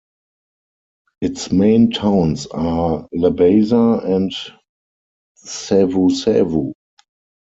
Its main towns are Labasa and Savusavu.